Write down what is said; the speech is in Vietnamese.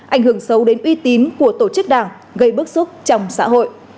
ảnh hưởng sâu đến uy tín của tổ chức đảng gây bức xúc trong xã hội